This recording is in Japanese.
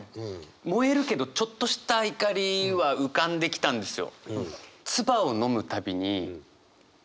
燃えるけどちょっとした怒りは浮かんできたんですよ。